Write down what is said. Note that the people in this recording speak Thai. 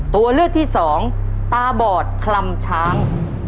ตัวเลือกที่สองตาบอดคลำช้าง